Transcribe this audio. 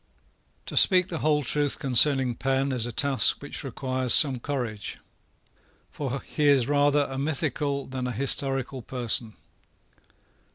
To speak the whole truth concerning Penn is a task which requires some courage; for he is rather a mythical than a historical person.